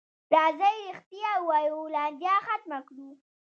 راځئ رښتیا ووایو، لانجه ختمه کړو.